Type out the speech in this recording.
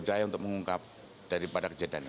jaya untuk mengungkap daripada kejadian ini